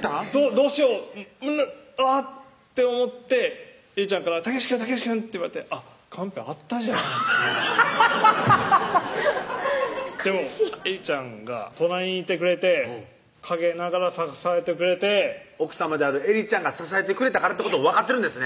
どどうしよううっあぁって思って絵梨ちゃんから「健くん健くん」って言われてあっカンペあったじゃんでも絵梨ちゃんが隣にいてくれて陰ながら支えてくれて奥さまである絵梨ちゃんが支えてくれたからってことを分かってるんですね？